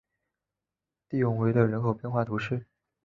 蒂永维勒人口变化图示